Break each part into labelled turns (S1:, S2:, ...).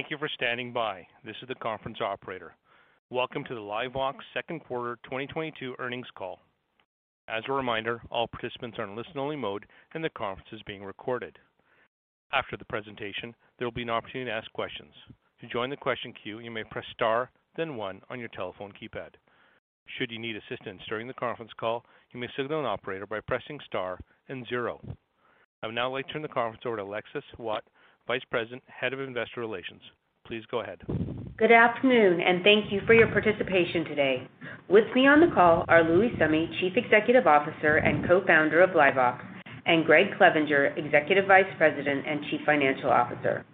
S1: Thank you for standing by. This is the conference operator. Welcome to the LiveVox Q2 2022 Earnings Call. I would now like to turn the conference over to Alexis Waadt, Vice President, Head of Investor Relations. Please go ahead.
S2: Good afternoon, and thank you for your participation today. With me on the call are Louis Summe, Chief Executive Officer and Co-Founder of LiveVox, and Gregg Clevenger, Executive Vice President and Chief Financial Officer.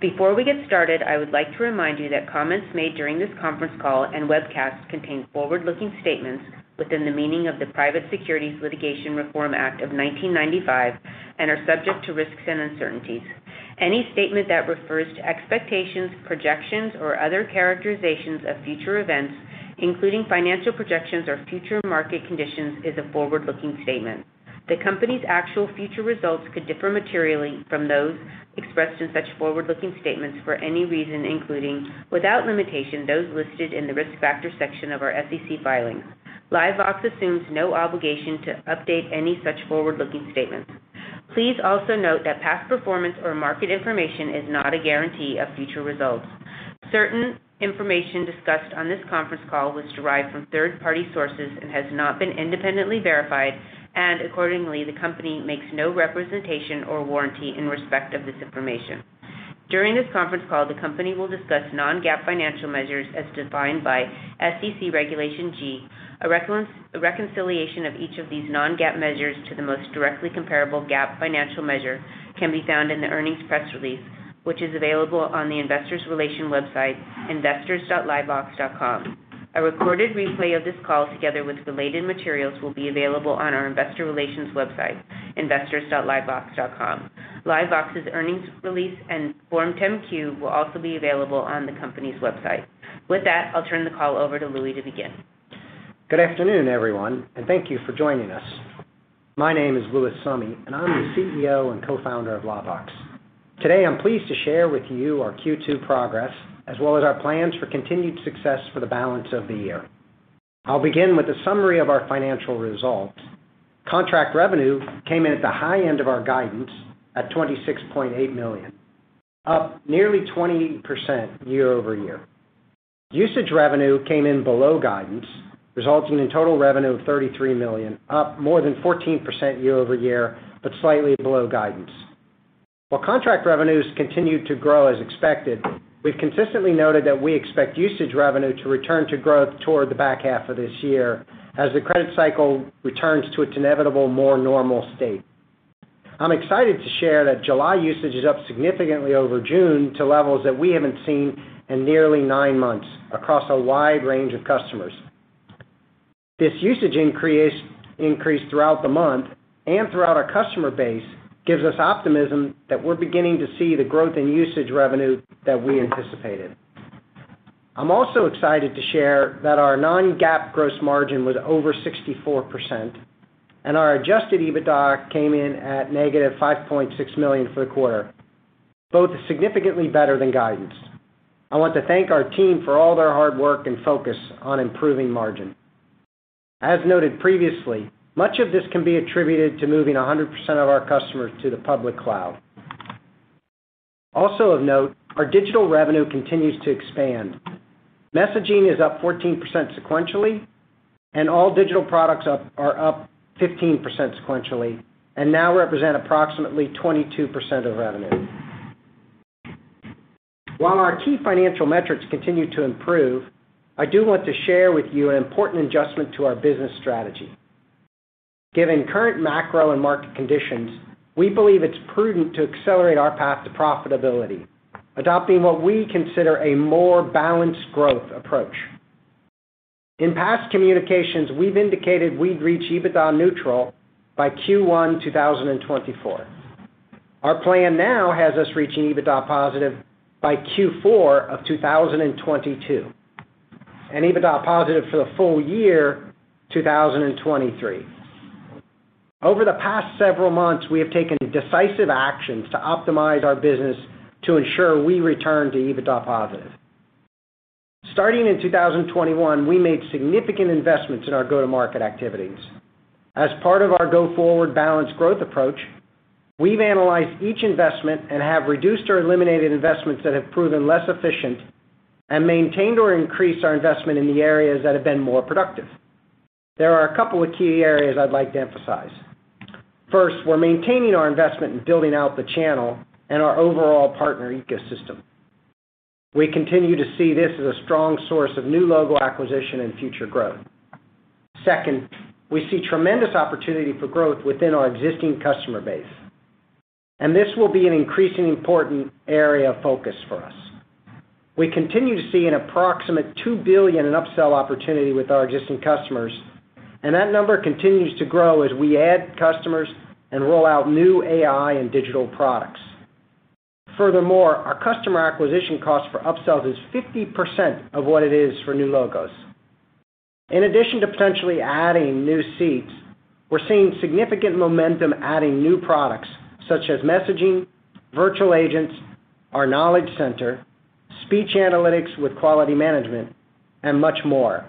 S2: Before we get started, I would like to remind you that comments made during this conference call and webcast contain forward-looking statements within the meaning of the Private Securities Litigation Reform Act of 1995 and are subject to risks and uncertainties. Any statement that refers to expectations, projections, or other characterizations of future events, including financial projections or future market conditions, is a forward-looking statement. The company's actual future results could differ materially from those expressed in such forward-looking statements for any reason, including, without limitation, those listed in the Risk Factors section of our SEC filings. LiveVox assumes no obligation to update any such forward-looking statements. Please also note that past performance or market information is not a guarantee of future results. Certain information discussed on this conference call was derived from third-party sources and has not been independently verified, and accordingly, the company makes no representation or warranty in respect of this information. During this conference call, the company will discuss non-GAAP financial measures as defined by SEC Regulation G. A reconciliation of each of these non-GAAP measures to the most directly comparable GAAP financial measure can be found in the earnings press release, which is available on the investor relations website, investors.livevox.com. A recorded replay of this call, together with related materials, will be available on our investor relations website, investors.livevox.com. LiveVox's earnings release and Form 10-Q will also be available on the company's website. With that, I'll turn the call over to Louis to begin.
S3: Good afternoon, everyone, and thank you for joining us. My name is Louis Summe and I'm the CEO and Co-Founder of LiveVox. Today, I'm pleased to share with you our Q2 progress as well as our plans for continued success for the balance of the year. I'll begin with a summary of our financial results. Contract revenue came in at the high end of our guidance at $26.8 million, up nearly 20% year-over-year. Usage revenue came in below guidance, resulting in total revenue of $33 million, up more than 14% year-over-year, but slightly below guidance. While contract revenues continued to grow as expected, we've consistently noted that we expect usage revenue to return to growth toward the back half of this year as the credit cycle returns to its inevitable more normal state. I'm excited to share that July usage is up significantly over June to levels that we haven't seen in nearly nine months across a wide range of customers. This usage increase throughout the month and throughout our customer base gives us optimism that we're beginning to see the growth in usage revenue that we anticipated. I'm also excited to share that our non-GAAP gross margin was over 64% and our adjusted EBITDA came in at -$5.6 million for the quarter, both significantly better than guidance. I want to thank our team for all their hard work and focus on improving margin. As noted previously, much of this can be attributed to moving 100% of our customers to the public cloud. Also of note, our digital revenue continues to expand. Messaging is up 14% sequentially, and all digital products are up 15% sequentially and now represent approximately 22% of revenue. While our key financial metrics continue to improve, I do want to share with you an important adjustment to our business strategy. Given current macro and market conditions, we believe it's prudent to accelerate our path to profitability, adopting what we consider a more balanced growth approach. In past communications, we've indicated we'd reach EBITDA neutral by Q1 2024. Our plan now has us reaching EBITDA positive by Q4 of 2022, and EBITDA positive for the full year 2023. Over the past several months, we have taken decisive actions to optimize our business to ensure we return to EBITDA positive. Starting in 2021, we made significant investments in our go-to-market activities. As part of our go-forward balanced growth approach, we've analyzed each investment and have reduced or eliminated investments that have proven less efficient and maintained or increased our investment in the areas that have been more productive. There are a couple of key areas I'd like to emphasize. 1st, we're maintaining our investment in building out the channel and our overall partner ecosystem. We continue to see this as a strong source of new logo acquisition and future growth. 2nd, we see tremendous opportunity for growth within our existing customer base, and this will be an increasingly important area of focus for us. We continue to see an approximate $2 billion in upsell opportunity with our existing customers, and that number continues to grow as we add customers and roll out new AI and digital products. Furthermore, our customer acquisition cost for upsell is 50% of what it is for new logos. In addition to potentially adding new seats, we're seeing significant momentum adding new products such as messaging, virtual agents, our Knowledge Center, speech analytics with quality management, and much more.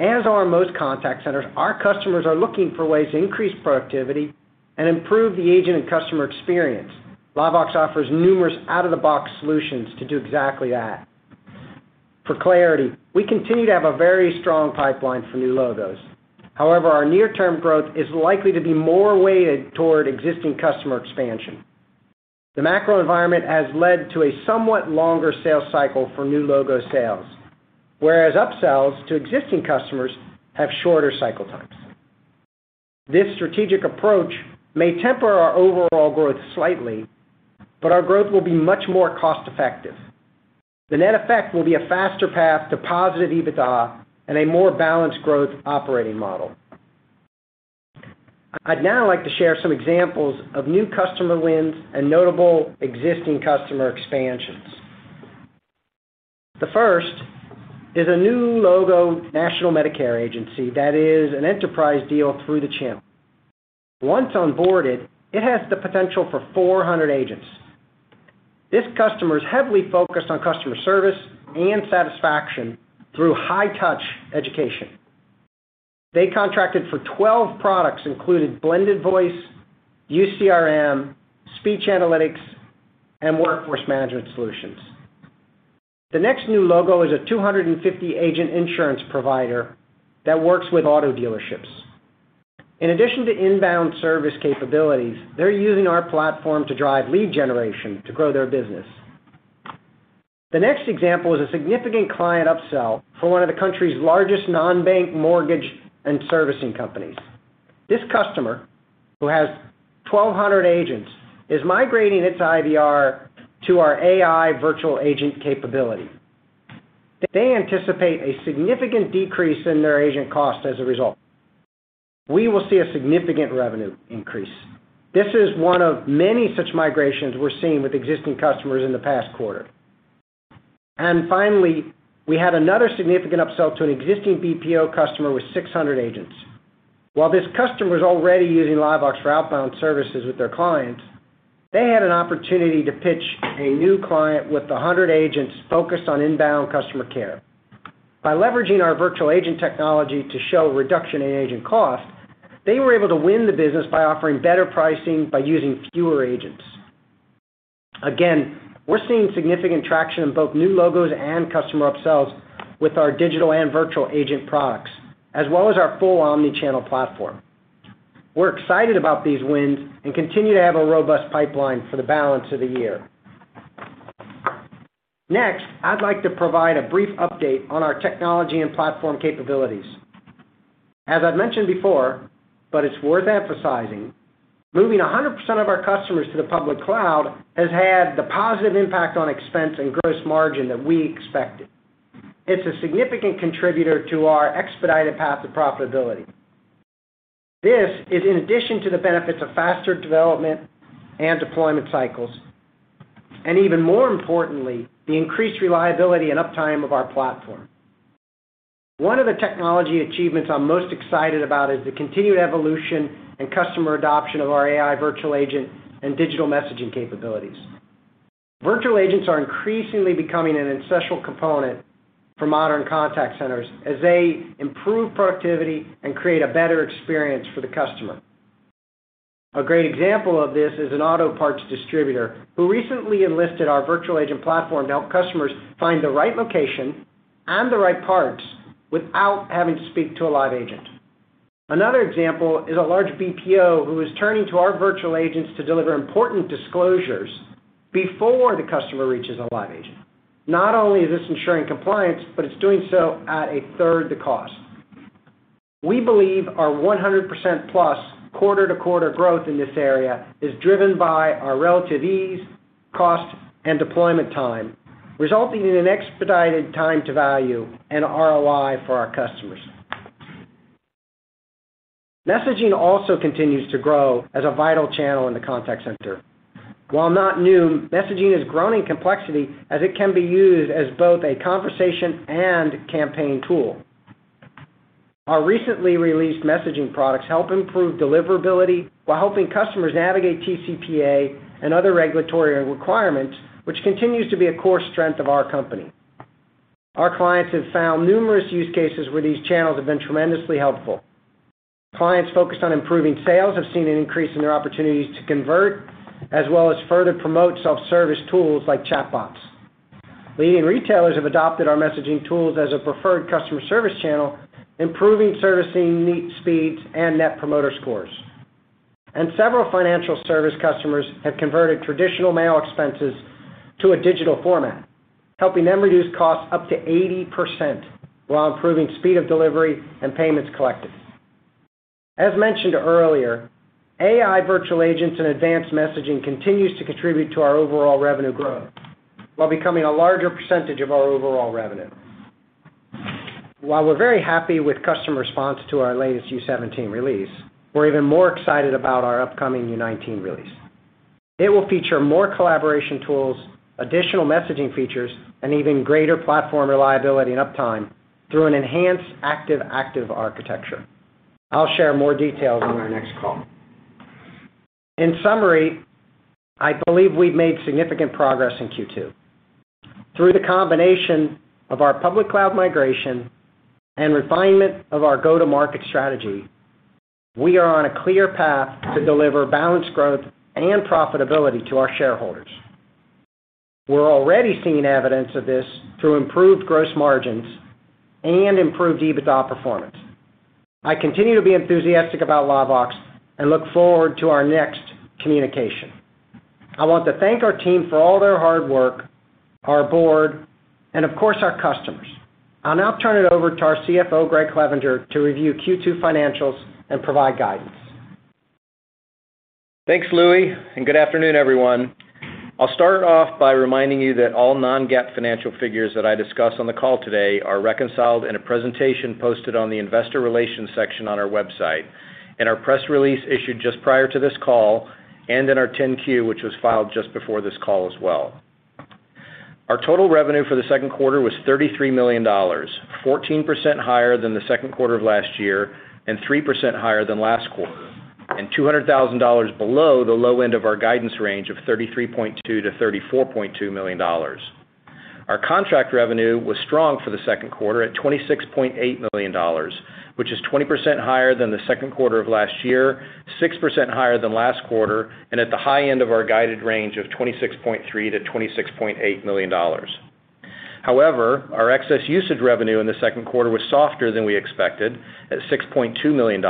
S3: As are most contact centers, our customers are looking for ways to increase productivity and improve the agent and customer experience. LiveVox offers numerous out-of-the-box solutions to do exactly that. For clarity, we continue to have a very strong pipeline for new logos. However, our near-term growth is likely to be more weighted toward existing customer expansion. The macro environment has led to a somewhat longer sales cycle for new logo sales, whereas upsells to existing customers have shorter cycle times. This strategic approach may temper our overall growth slightly, but our growth will be much more cost-effective. The net effect will be a faster path to positive EBITDA and a more balanced growth operating model. I'd now like to share some examples of new customer wins and notable existing customer expansions. The first is a new logo national Medicare agency that is an enterprise deal through the channel. Once onboarded, it has the potential for 400 agents. This customer is heavily focused on customer service and satisfaction through high-touch education. They contracted for 12 products, including blended voice, U-CRM, speech analytics, and workforce management solutions. The next new logo is a 250-agent insurance provider that works with auto dealerships. In addition to inbound service capabilities, they're using our platform to drive lead generation to grow their business. The next example is a significant client upsell for one of the country's largest non-bank mortgage and servicing companies. This customer, who has 1,200 agents, is migrating its IVR to our AI virtual agent capability. They anticipate a significant decrease in their agent cost as a result. We will see a significant revenue increase. This is one of many such migrations we're seeing with existing customers in the past quarter. Finally, we had another significant upsell to an existing BPO customer with 600 agents. While this customer was already using LiveVox for outbound services with their clients, they had an opportunity to pitch a new client with 100 agents focused on inbound customer care. By leveraging our virtual agent technology to show reduction in agent cost, they were able to win the business by offering better pricing by using fewer agents. Again, we're seeing significant traction in both new logos and customer upsells with our digital and virtual agent products, as well as our full omni-channel platform. We're excited about these wins and continue to have a robust pipeline for the balance of the year. Next, I'd like to provide a brief update on our technology and platform capabilities. As I've mentioned before, but it's worth emphasizing, moving 100% of our customers to the public cloud has had the positive impact on expense and gross margin that we expected. It's a significant contributor to our expedited path to profitability. This is in addition to the benefits of faster development and deployment cycles, and even more importantly, the increased reliability and uptime of our platform. One of the technology achievements I'm most excited about is the continued evolution and customer adoption of our AI virtual agent and digital messaging capabilities. Virtual agents are increasingly becoming an essential component for modern contact centers as they improve productivity and create a better experience for the customer. A great example of this is an auto parts distributor who recently enlisted our virtual agent platform to help customers find the right location and the right parts without having to speak to a live agent. Another example is a large BPO who is turning to our virtual agents to deliver important disclosures before the customer reaches a live agent. Not only is this ensuring compliance, but it's doing so at a third the cost. We believe our 100%+ quarter-to-quarter growth in this area is driven by our relative ease, cost, and deployment time, resulting in an expedited time to value and ROI for our customers. Messaging also continues to grow as a vital channel in the contact center. While not new, messaging is growing in complexity as it can be used as both a conversation and campaign tool. Our recently released messaging products help improve deliverability while helping customers navigate TCPA and other regulatory requirements, which continues to be a core strength of our company. Our clients have found numerous use cases where these channels have been tremendously helpful. Clients focused on improving sales have seen an increase in their opportunities to convert, as well as further promote self-service tools like chatbots. Leading retailers have adopted our messaging tools as a preferred customer service channel, improving servicing speeds and net promoter scores. Several financial service customers have converted traditional mail expenses to a digital format, helping them reduce costs up to 80% while improving speed of delivery and payments collected. As mentioned earlier, AI virtual agents and advanced messaging continues to contribute to our overall revenue growth while becoming a larger percentage of our overall revenue. While we're very happy with customer response to our latest U17 release, we're even more excited about our upcoming LV19 release. It will feature more collaboration tools, additional messaging features, and even greater platform reliability and uptime through an enhanced active-active architecture. I'll share more details on our next call. In summary, I believe we've made significant progress in Q2. Through the combination of our public cloud migration and refinement of our go-to-market strategy, we are on a clear path to deliver balanced growth and profitability to our shareholders. We're already seeing evidence of this through improved gross margins and improved EBITDA performance. I continue to be enthusiastic about LiveVox and look forward to our next communication. I want to thank our team for all their hard work, our board, and of course, our customers. I'll now turn it over to our CFO, Gregg Clevenger, to review Q2 financials and provide guidance.
S4: Thanks, Louis, and good afternoon, everyone. I'll start off by reminding you that all non-GAAP financial figures that I discuss on the call today are reconciled in a presentation posted on the investor relations section on our website, in our press release issued just prior to this call, and in our 10-Q, which was filed just before this call as well. Our total revenue for the Q2 was $33 million, 14% higher than the Q2 of last year and 3% higher than last quarter, and $200,000 below the low end of our guidance range of $33.2-$34.2 million. Our contract revenue was strong for the Q2 at $26.8 million, which is 20% higher than the Q2 of last year, 6% higher than last quarter, and at the high end of our guided range of $26.3 million-$26.8 million. However, our excess usage revenue in the Q2 was softer than we expected at $6.2 million,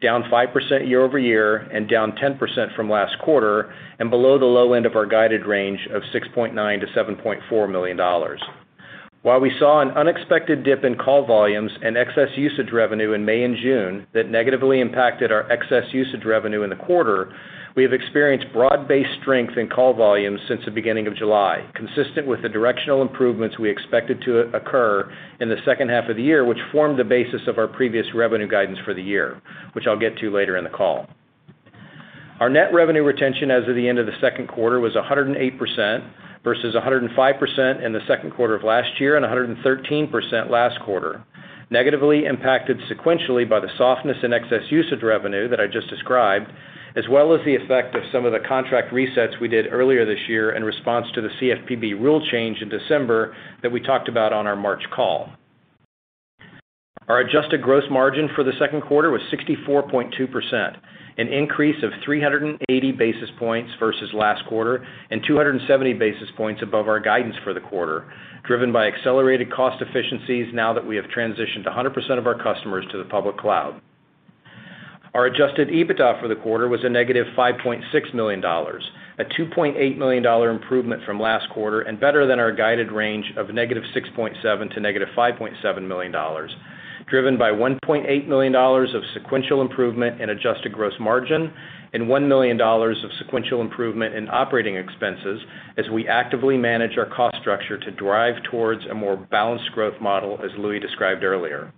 S4: down 5% year-over-year and down 10% from last quarter and below the low end of our guided range of $6.9 million-$7.4 million. While we saw an unexpected dip in call volumes and excess usage revenue in May and June that negatively impacted our excess usage revenue in the quarter, we have experienced broad-based strength in call volumes since the beginning of July, consistent with the directional improvements we expected to occur in the second half of the year, which formed the basis of our previous revenue guidance for the year, which I'll get to later in the call. Our net revenue retention as of the end of the Q2 was 108% versus 105% in the Q2 of last year and 113% last quarter, negatively impacted sequentially by the softness in excess usage revenue that I just described, as well as the effect of some of the contract resets we did earlier this year in response to the CFPB rule change in December that we talked about on our March call. Our adjusted gross margin for the Q2 was 64.2%, an increase of 380 basis points versus last quarter and 270 basis points above our guidance for the quarter, driven by accelerated cost efficiencies now that we have transitioned 100% of our customers to the public cloud. Our adjusted EBITDA for the quarter was -$5.6 million, a $2.8 million improvement from last quarter and better than our guided range of -$6.7 million-$5.7 million, driven by $1.8 million of sequential improvement in adjusted gross margin and $1 million of sequential improvement in operating expenses as we actively manage our cost structure to drive towards a more balanced growth model, as Louis described earlier.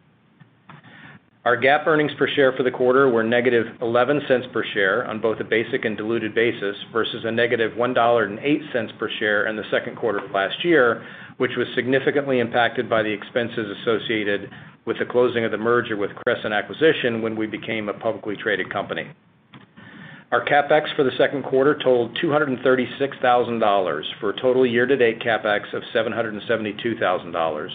S4: Our GAAP earnings per share for the quarter were -$0.11 per share on both a basic and diluted basis versus -$1.08 per share in the Q2 of last year, which was significantly impacted by the expenses associated with the closing of the merger with Crescent Acquisition when we became a publicly traded company. Our CapEx for the Q2 totaled $236,000 for a total year-to-date CapEx of $772,000,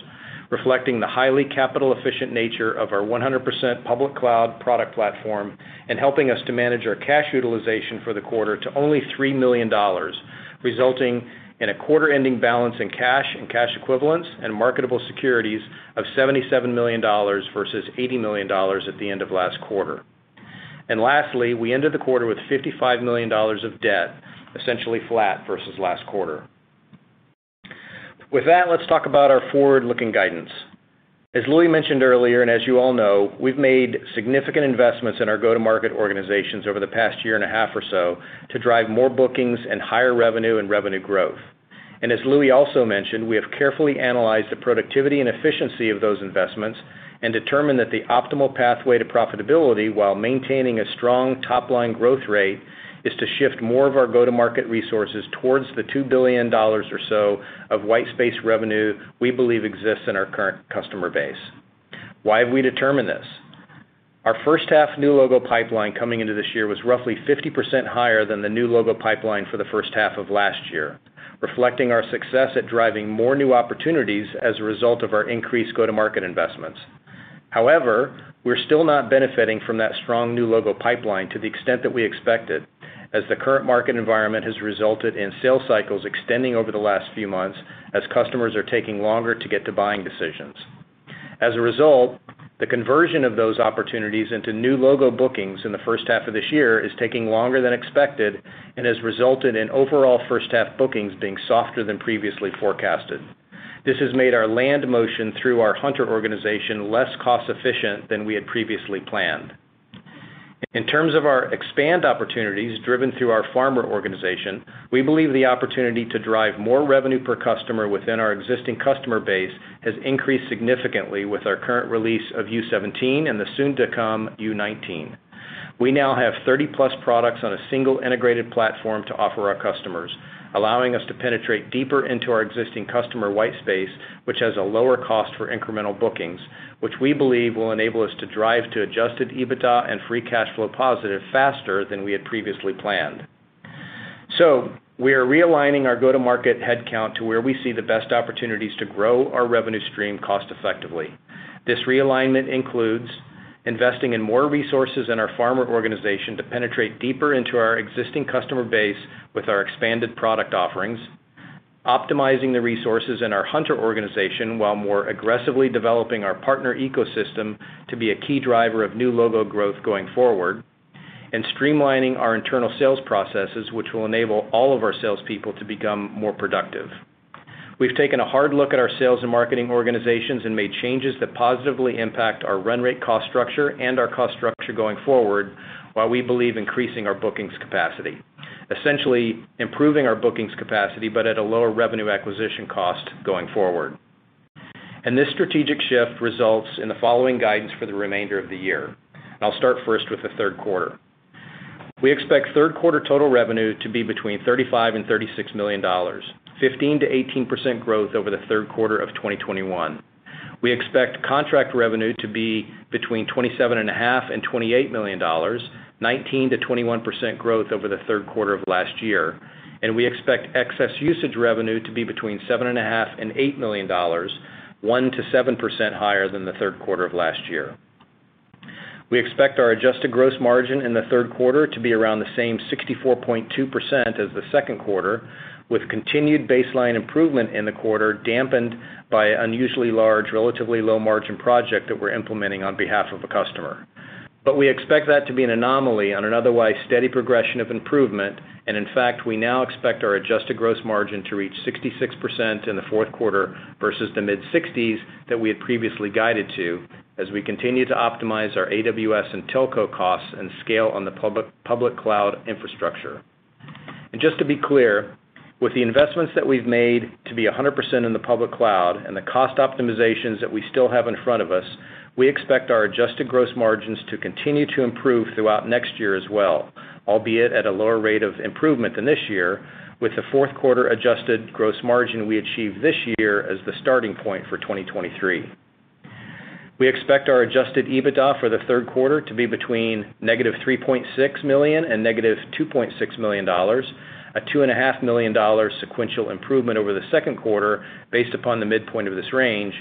S4: reflecting the highly capital-efficient nature of our 100% public cloud product platform and helping us to manage our cash utilization for the quarter to only $3 million, resulting in a quarter-ending balance in cash and cash equivalents and marketable securities of $77 million versus $80 million at the end of last quarter. Lastly, we ended the quarter with $55 million of debt, essentially flat versus last quarter. With that, let's talk about our forward-looking guidance. As Louis mentioned earlier, and as you all know, we've made significant investments in our go-to-market organizations over the past year and a half or so to drive more bookings and higher revenue and revenue growth. As Louis also mentioned, we have carefully analyzed the productivity and efficiency of those investments and determined that the optimal pathway to profitability while maintaining a strong top-line growth rate is to shift more of our go-to-market resources towards the $2 billion or so of white space revenue we believe exists in our current customer base. Why have we determined this? Our first half new logo pipeline coming into this year was roughly 50% higher than the new logo pipeline for the first half of last year, reflecting our success at driving more new opportunities as a result of our increased go-to-market investments. However, we're still not benefiting from that strong new logo pipeline to the extent that we expected, as the current market environment has resulted in sales cycles extending over the last few months as customers are taking longer to get to buying decisions. As a result, the conversion of those opportunities into new logo bookings in the first half of this year is taking longer than expected and has resulted in overall first half bookings being softer than previously forecasted. This has made our land motion through our hunter organization less cost-efficient than we had previously planned. In terms of our expand opportunities driven through our farmer organization, we believe the opportunity to drive more revenue per customer within our existing customer base has increased significantly with our current release of U17 and the soon-to-come U19. We now have 30+ products on a single integrated platform to offer our customers, allowing us to penetrate deeper into our existing customer white space, which has a lower cost for incremental bookings, which we believe will enable us to drive to adjusted EBITDA and free cash flow positive faster than we had previously planned. We are realigning our go-to-market headcount to where we see the best opportunities to grow our revenue stream cost effectively. This realignment includes investing in more resources in our farmer organization to penetrate deeper into our existing customer base with our expanded product offerings, optimizing the resources in our hunter organization while more aggressively developing our partner ecosystem to be a key driver of new logo growth going forward, and streamlining our internal sales processes, which will enable all of our salespeople to become more productive. We've taken a hard look at our sales and marketing organizations and made changes that positively impact our run rate cost structure and our cost structure going forward while we believe increasing our bookings capacity, essentially improving our bookings capacity, but at a lower revenue acquisition cost going forward. This strategic shift results in the following guidance for the remainder of the year. I'll start first with the Q3. We expect Q3 total revenue to be between $35 million and $36 million, 15%-18% growth over the Q3 of 2021. We expect contract revenue to be between $27.5 million and $28 million, 19%-21% growth over the Q3 of last year. We expect excess usage revenue to be between $7.5 million and $8 million, 1%-7% higher than the Q3 of last year. We expect our adjusted gross margin in the Q3 to be around the same 64.2% as the Q2, with continued baseline improvement in the quarter dampened by unusually large, relatively low margin project that we're implementing on behalf of a customer. We expect that to be an anomaly on an otherwise steady progression of improvement. In fact, we now expect our adjusted gross margin to reach 66% in the Q4 versus the mid-60s% that we had previously guided to as we continue to optimize our AWS and telco costs and scale on the public cloud infrastructure. Just to be clear, with the investments that we've made to be 100% in the public cloud and the cost optimizations that we still have in front of us, we expect our adjusted gross margins to continue to improve throughout next year as well, albeit at a lower rate of improvement than this year, with the Q4 adjusted gross margin we achieve this year as the starting point for 2023. We expect our adjusted EBITDA for the Q3 to be between -$3.6 million and -$2.6 million, a $2.5 million sequential improvement over the Q2 based upon the midpoint of this range.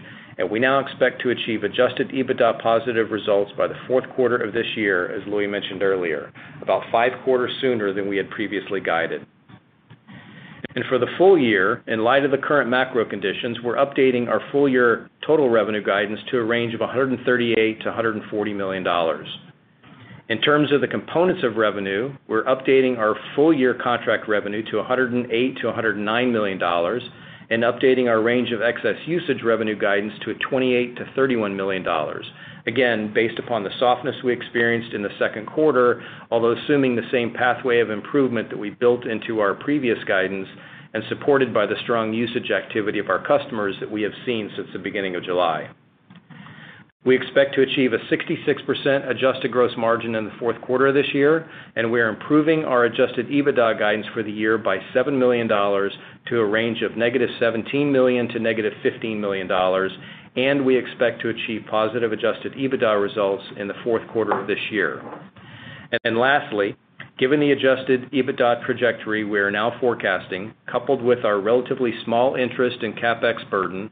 S4: We now expect to achieve adjusted EBITDA positive results by the Q4 of this year, as Louis mentioned earlier, about Q5 sooner than we had previously guided. For the full year, in light of the current macro conditions, we're updating our full year total revenue guidance to a range of $138 million-$140 million. In terms of the components of revenue, we're updating our full year contract revenue to $108 million-$109 million and updating our range of excess usage revenue guidance to $28 million-$31 million. Again, based upon the softness we experienced in the Q2, although assuming the same pathway of improvement that we built into our previous guidance and supported by the strong usage activity of our customers that we have seen since the beginning of July. We expect to achieve a 66% adjusted gross margin in the Q4 of this year, and we are improving our adjusted EBITDA guidance for the year by $7 million to a range of -$17 million to -$15 million, and we expect to achieve positive adjusted EBITDA results in the Q4 of this year. Lastly, given the adjusted EBITDA trajectory we are now forecasting, coupled with our relatively small interest in CapEx burden,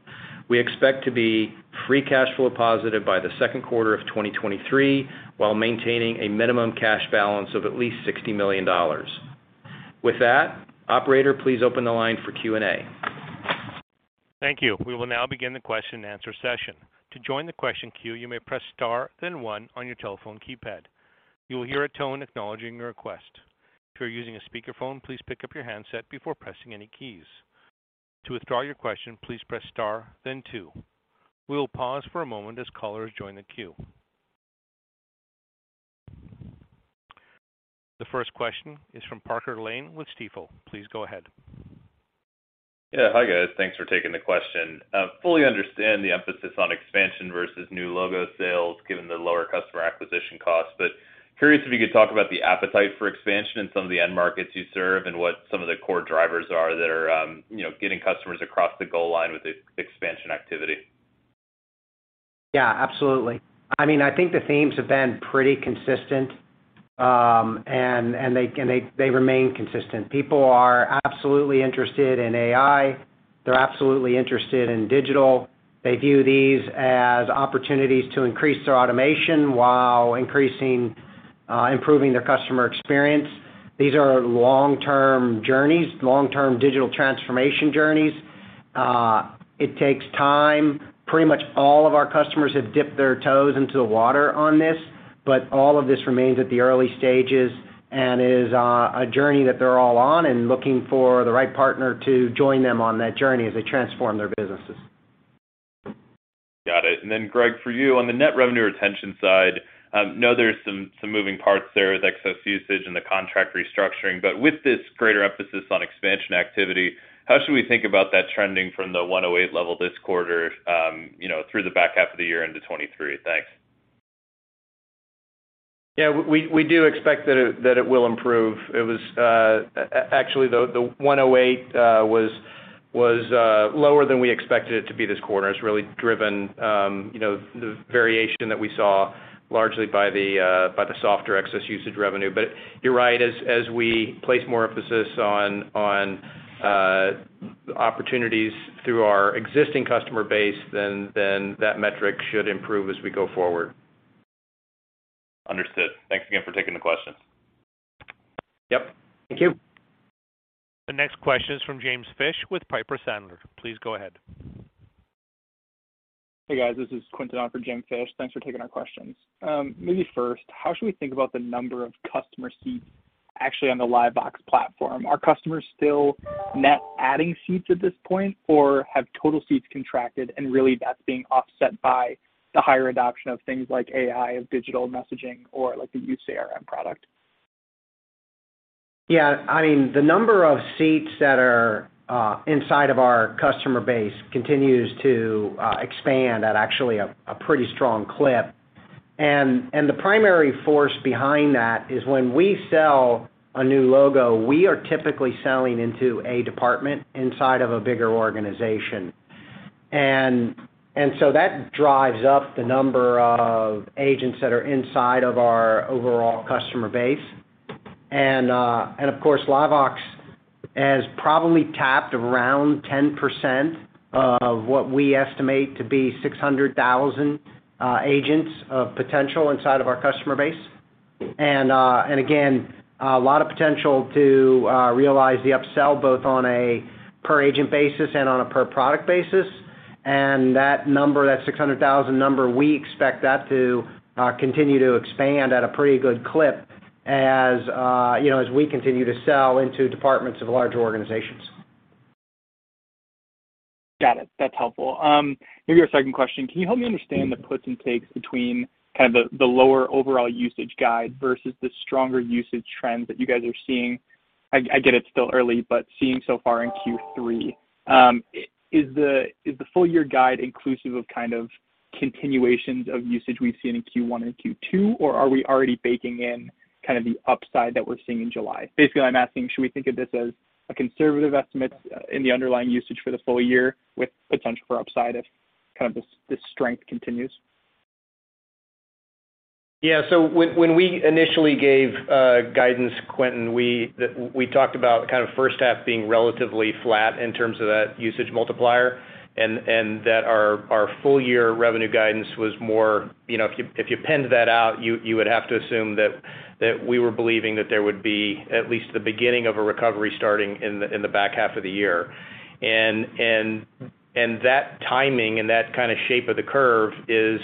S4: we expect to be free cash flow positive by the Q2 of 2023, while maintaining a minimum cash balance of at least $60 million. With that, operator, please open the line for Q&A.
S1: Thank you. We will now begin the question and answer session. The 1st question is from Parker Lane with Stifel. Please go ahead.
S5: Yeah. Hi, guys. Thanks for taking the question. Fully understand the emphasis on expansion versus new logo sales given the lower customer acquisition costs, but curious if you could talk about the appetite for expansion in some of the end markets you serve and what some of the core drivers are that are, you know, getting customers across the goal line with the expansion activity.
S4: Yeah, absolutely. I mean, I think the themes have been pretty consistent, and they remain consistent. People are absolutely interested in AI. They're absolutely interested in digital. They view these as opportunities to increase their automation while increasing, improving their customer experience. These are long-term journeys, long-term digital transformation journeys. It takes time. Pretty much all of our customers have dipped their toes into the water on this, but all of this remains at the early stages and is a journey that they're all on and looking for the right partner to join them on that journey as they transform their businesses.
S5: Got it. Greg, for you on the net revenue retention side, you know there's some moving parts there with excess usage and the contract restructuring, but with this greater emphasis on expansion activity, how should we think about that trending from the 108% level this quarter, you know, through the back half of the year into 2023? Thanks.
S4: Yeah, we do expect that it will improve. It was actually the 108 was lower than we expected it to be this quarter. It's really driven you know the variation that we saw largely by the softer excess usage revenue. You're right, as we place more emphasis on opportunities through our existing customer base, then that metric should improve as we go forward.
S5: Understood. Thanks again for taking the question.
S4: Yep.
S5: Thank you.
S1: The next question is from James Fish with Piper Sandler. Please go ahead.
S6: Hey, guys, this is Quentin on for James Fish. Thanks for taking our questions. Maybe 1st, how should we think about the number of customer seats actually on the LiveVox platform? Are customers still net adding seats at this point, or have total seats contracted and really that's being offset by the higher adoption of things like AI and digital messaging or like the U-CRM product?
S4: Yeah. I mean, the number of seats that are inside of our customer base continues to expand at actually a pretty strong clip. The primary force behind that is when we sell a new logo, we are typically selling into a department inside of a bigger organization. That drives up the number of agents that are inside of our overall customer base. Of course, LiveVox has probably tapped around 10% of what we estimate to be 600,000 agents of potential inside of our customer base. Again, a lot of potential to realize the upsell, both on a per agent basis and on a per product basis. That number, that 600,000 number, we expect that to continue to expand at a pretty good clip as you know, as we continue to sell into departments of larger organizations.
S6: Got it. That's helpful. Maybe a 2nd question, Can you help me understand the puts and takes between kind of the lower overall usage guide versus the stronger usage trends that you guys are seeing? I get it's still early but seeing so far in Q, is the full year guide inclusive of kind of continuations of usage we've seen in Q1 and Q2, or are we already baking in kind of the upside that we're seeing in July? Basically, I'm asking, should we think of this as a conservative estimate in the underlying usage for the full year with potential for upside if kind of this strength continues?
S4: Yeah. When we initially gave guidance, Quentin, we talked about kind of first half being relatively flat in terms of that usage multiplier, and that our full year revenue guidance was more, you know, if you pinned that out, you would have to assume that we were believing that there would be at least the beginning of a recovery starting in the back half of the year. That timing and that kind a shape of the curve is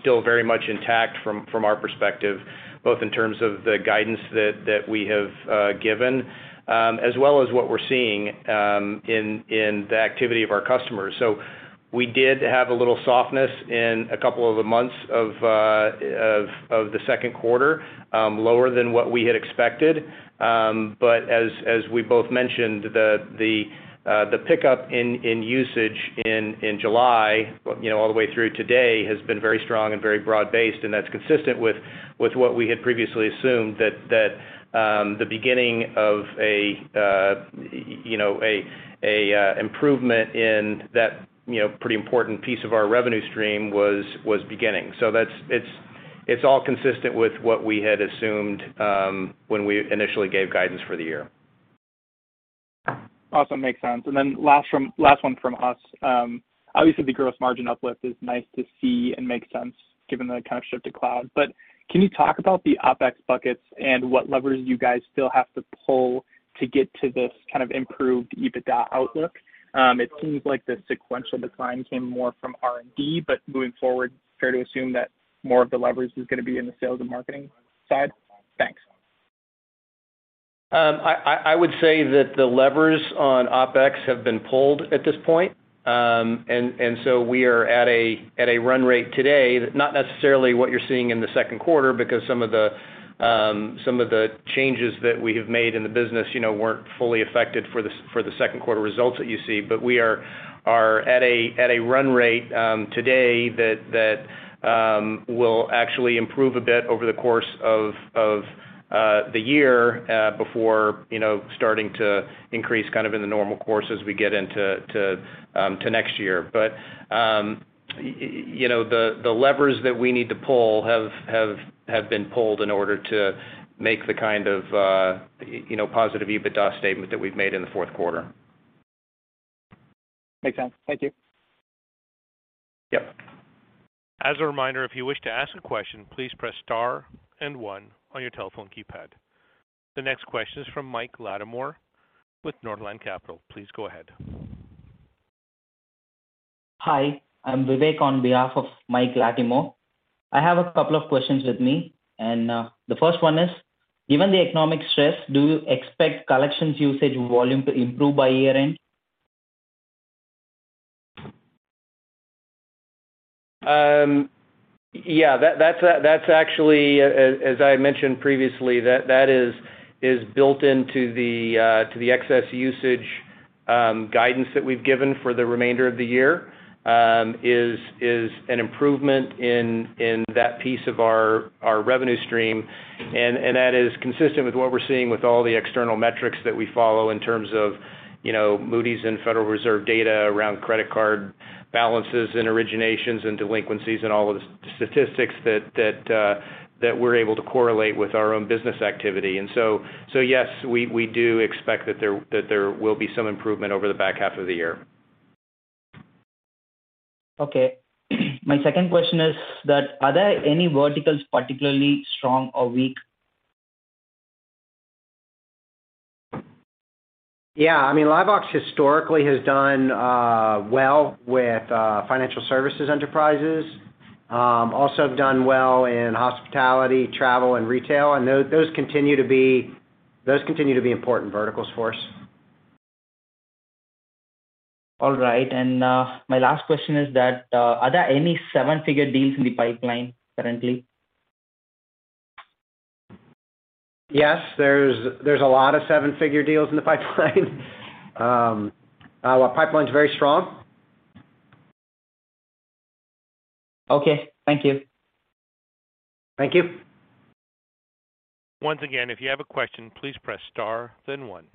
S4: still very much intact from our perspective, both in terms of the guidance that we have given as well as what we're seeing in the activity of our customers. We did have a little softness in a couple of the months of the Q2, lower than what we had expected. As we both mentioned, the pickup in usage in July, you know, all the way through today, has been very strong and very broad-based, and that's consistent with what we had previously assumed that the beginning of a, you know, improvement in that, you know, pretty important piece of our revenue stream was beginning. That's it's all consistent with what we had assumed when we initially gave guidance for the year.
S6: Awesome. Makes sense. Last one from us. Obviously the gross margin uplift is nice to see and makes sense given the kind of shift to cloud. Can you talk about the OpEx buckets and what levers you guys still have to pull to get to this kind of improved EBITDA outlook? It seems like the sequential decline came more from R&D. Moving forward, fair to assume that more of the leverage is gonna be in the sales and marketing side? Thanks.
S4: I would say that the levers on OpEx have been pulled at this point. We are at a run rate today, not necessarily what you're seeing in the Q2 because some of the changes that we have made in the business, you know, weren't fully affected for the Q2 results that you see. We are at a run rate today that will actually improve a bit over the course of the year before, you know, starting to increase kind of in the normal course as we get into next year. You know, the levers that we need to pull have been pulled in order to make the kind of, you know, positive EBITDA statement that we've made in the Q4.
S6: Makes sense. Thank you.
S4: Yep.
S1: The next question is from Mike Latimore with Northland Capital. Please go ahead.
S7: Hi, I'm Vivek on behalf of Mike Latimore. I have a couple of questions with me, and, the 1st one is, given the economic stress, do you expect collections usage volume to improve by year-end?
S4: Yeah. That's actually, as I had mentioned previously, that is built into the excess usage guidance that we've given for the remainder of the year, is an improvement in that piece of our revenue stream. That is consistent with what we're seeing with all the external metrics that we follow in terms of, you know, Moody's and Federal Reserve data around credit card balances and originations and delinquencies and all of the statistics that we're able to correlate with our own business activity. Yes, we do expect that there will be some improvement over the back half of the year.
S7: Okay. My 2nd question is that are there any verticals particularly strong or weak?
S4: Yeah. I mean, LiveVox historically has done well with financial services enterprises. Also have done well in hospitality, travel, and retail, and those continue to be important verticals for us.
S7: All right. My last question is that, are there any seven-figure deals in the pipeline currently?
S4: Yes, there's a lot of seven-figure deals in the pipeline. Our pipeline's very strong.
S7: Okay. Thank you.
S4: Thank you.
S1: Once again, if you have a question, please press star then one.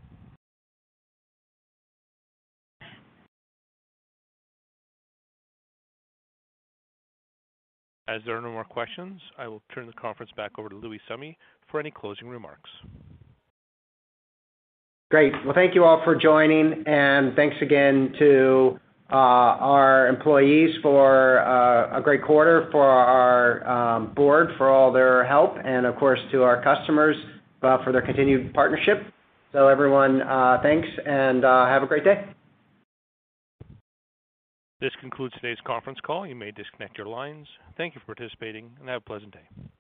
S1: As there are no more questions, I will turn the conference back over to Louis Summe for any closing remarks.
S3: Great. Well, thank you all for joining. Thanks again to our employees for a great quarter, for our board for all their help, and of course to our customers for their continued partnership. Everyone, thanks and have a great day.
S1: This concludes today's conference call. You may disconnect your lines. Thank you for participating and have a pleasant day.